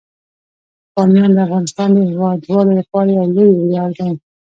بامیان د افغانستان د هیوادوالو لپاره یو لوی ویاړ دی.